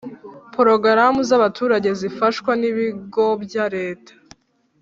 Porogaramu z abaturage zifashwa n ibigo bya Leta